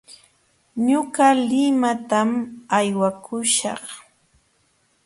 Ñuqa limatam aywakuśhaq.